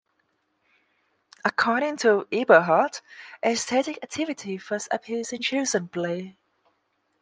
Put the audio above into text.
According to Eberhard, aesthetic activity first appears in children's play.